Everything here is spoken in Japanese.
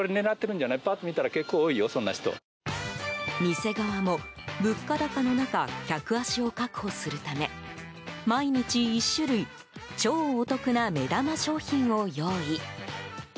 店側も、物価高の中客足を確保するため毎日１種類超お得な目玉商品を用意。